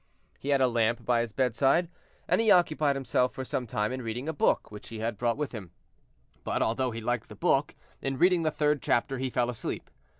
He had a lamp by his bedside, and he occupied himself for some time in reading a book which he had brought with him; but, although he liked the book, in reading the third chapter he fell asleep.